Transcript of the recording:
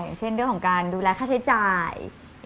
อย่างเช่นเรื่องของการดูแลค่าใช้จ่าย